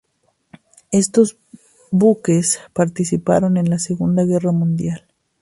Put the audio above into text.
Estos buques participaron en la Segunda Guerra Mundial.